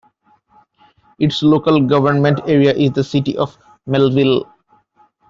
Its local government area is the City of Melville.